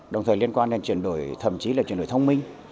đồng thời liên quan đến chuyển đổi thông minh